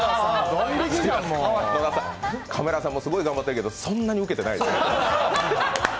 カメラさんもすごく頑張ったけど、そんなにウケてないですね